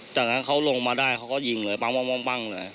จากนั้นเขาลงมาได้เขาก็ยิงเลยปั้งเลย